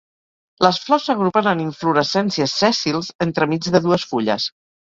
Les flors s'agrupen en inflorescències sèssils entremig de dues fulles.